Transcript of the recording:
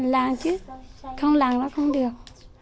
làm chứ không làm nó không được